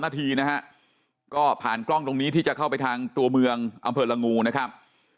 นาทีนะฮะก็ผ่านกล้องตรงนี้ที่จะเข้าไปทางตัวเมืองอำเภอละงูนะครับ